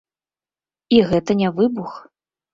І гэта не выбух.